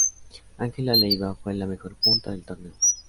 Ángela Leyva fue la mejor punta del torneo.